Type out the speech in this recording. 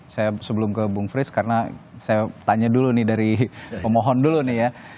saya sebelum ke bung frits karena saya tanya dulu nih dari pemohon dulu nih ya